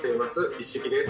一色です。